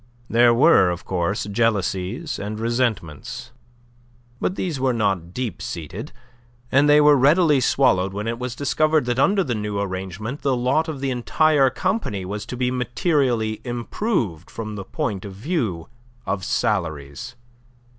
There were, of course, jealousies and resentments. But these were not deep seated, and they were readily swallowed when it was discovered that under the new arrangement the lot of the entire company was to be materially improved from the point of view of salaries.